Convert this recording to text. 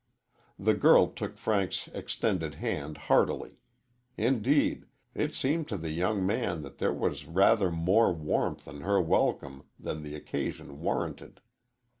The girl took Frank's extended hand heartily. Indeed, it seemed to the young man that there was rather more warmth in her welcome than the occasion warranted.